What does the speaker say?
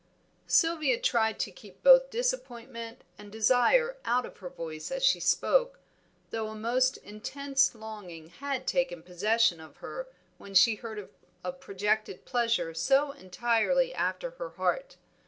Sylvia tried to keep both disappointment and desire out of her voice as she spoke, though a most intense longing had taken possession of her when she heard of a projected pleasure so entirely after her own heart.